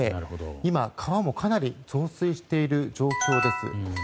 今、川もかなり増水している状況です。